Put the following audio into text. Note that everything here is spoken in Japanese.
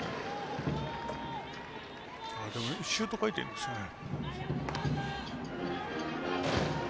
シュート回転ですね。